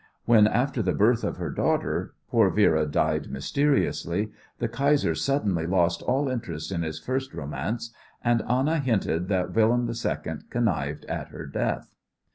When after the birth of her daughter poor Vera died mysteriously the Kaiser suddenly lost all interest in his first romance, and Anna hinted that William II connived at her death.